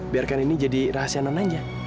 biarkan ini jadi rahasia non aja